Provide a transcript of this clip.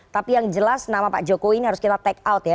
tapi yang jelas nama pak jokowi ini harus kita take out ya